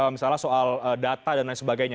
misalnya soal data dan lain sebagainya